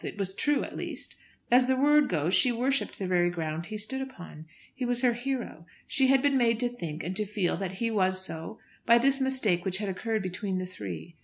It was true at least. As the word goes she worshipped the very ground he stood upon. He was her hero. She had been made to think and to feel that he was so by this mistake which had occurred between the three.